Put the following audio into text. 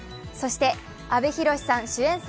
そして阿部寛さん主演